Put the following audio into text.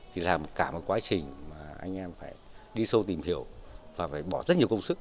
thì làm cả một quá trình mà anh em phải đi sâu tìm hiểu và phải bỏ rất nhiều công sức